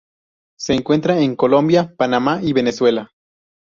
Se encuentra en Colombia, Panamá, y Venezuela.